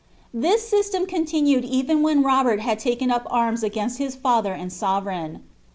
* This system continued even when Robert had taken up arms againcl his father and sovereign.